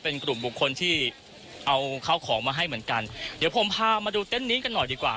เป็นกลุ่มบุคคลที่เอาข้าวของมาให้เหมือนกันเดี๋ยวผมพามาดูเต้นนี้กันหน่อยดีกว่า